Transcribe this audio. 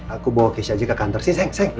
aku bawa kesya aja ke kantor sih sayang